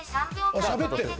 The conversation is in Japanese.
・あしゃべってる！